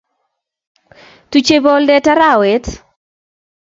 Tuchei boldet arawet